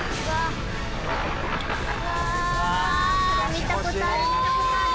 見たことある。